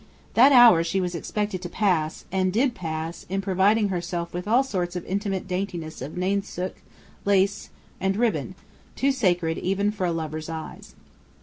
That hour she was expected to pass, and did pass, in providing herself with all sorts of intimate daintiness of nainsook, lace, and ribbon, too sacred even for a lover's eyes.